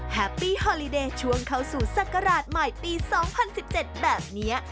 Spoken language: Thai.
แฮปปี้ฮอลิเดย์ช่วงเข้าสู่ศักราชใหม่ปี๒๐๑๗แบบนี้